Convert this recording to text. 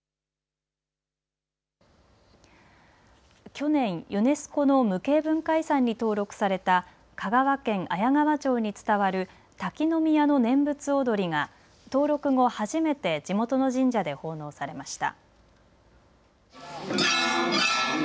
去年、ユネスコの無形文化遺産に登録された香川県綾川町に伝わる滝宮の念仏踊が登録後、初めて地元の神社で奉納されました。